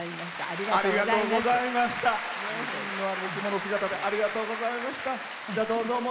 ありがとうございます。